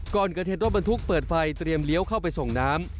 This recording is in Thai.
ก่อนเกิดเหตุรถบรรทุกเปิดไฟเตรียมเลี้ยวเข้าไปส่งน้ำ